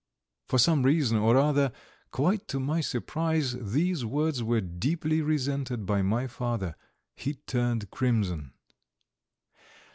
For some reason or other, quite to my surprise, these words were deeply resented by my father. He turned crimson.